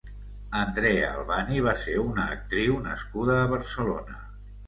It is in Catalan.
Andrea Albani va ser una actriu nascuda a Barcelona.